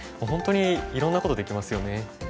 本当にいろんなことできますよね。